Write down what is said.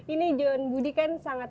ini john budi kan sangat